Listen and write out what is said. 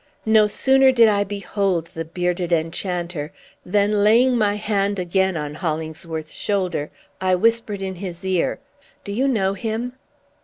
No sooner did I behold the bearded enchanter, than, laying my hand again on Hollingsworth's shoulder, I whispered in his ear, "Do you know him?"